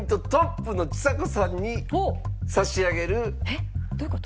えっどういう事？